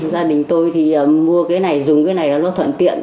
gia đình tôi thì mua cái này dùng cái này là nó thuận tiện